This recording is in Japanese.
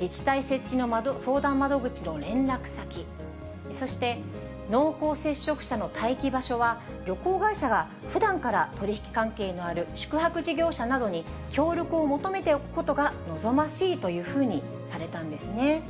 自治体設置の相談窓口の連絡先、そして濃厚接触者の待機場所は、旅行会社がふだんから取り引き関係のある宿泊事業者などに、協力を求めておくことが望ましいというふうにされたんですね。